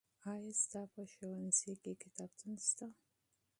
آیا ستا په ښوونځي کې کتابتون شته؟